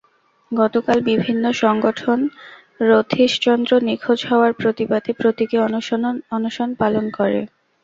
গতকাল বিভিন্ন সংগঠন রথীশ চন্দ্র নিখোঁজ হওয়ার প্রতিবাদে প্রতীকী অনশন পালন করে।